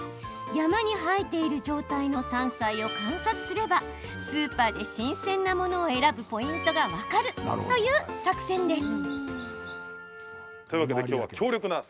山に生えている状態の山菜を観察すればスーパーで新鮮なものを選ぶポイントが分かるという作戦です。